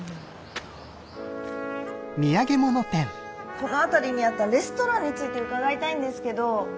この辺りにあったレストランについて伺いたいんですけど。